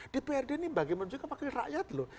dprd ini bagaimana juga wakil rakyat loh